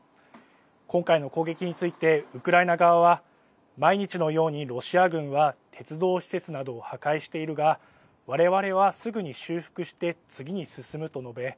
今回の攻撃についてウクライナ側は毎日のように、ロシア軍は鉄道施設などを破壊しているがわれわれは、すぐに修復して次に進むと述べ